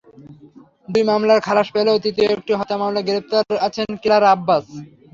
দুই মামলার খালাস পেলেও তৃতীয় একটি হত্যা মামলায় গ্রেপ্তার আছেন কিলার আব্বাস।